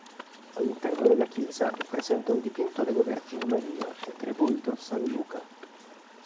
All'interno della chiesa è presente un dipinto della Vergine Maria attribuito a San Luca.